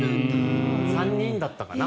３人だったかな。